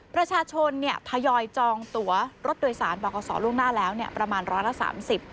ประชาชนพยายอยจองตัวรถโดยสารบขล่วงหน้าแล้วประมาณ๑๓๐ล้านบาท